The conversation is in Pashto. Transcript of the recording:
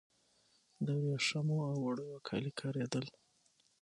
د وریښمو او وړیو کالي کاریدل